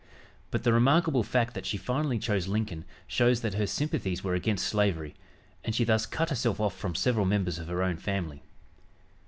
But the remarkable fact that she finally chose Lincoln shows that her sympathies were against slavery, and she thus cut herself off from several members of her own family.